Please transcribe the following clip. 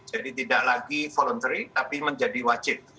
jadi tidak lagi voluntary tapi menjadi wajib